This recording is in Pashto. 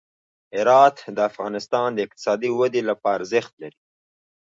هرات د افغانستان د اقتصادي ودې لپاره ارزښت لري.